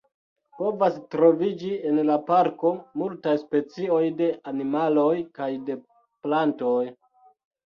Povas troviĝi en la parko multaj specioj de animaloj kaj de plantoj.